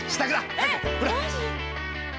えっマジ！？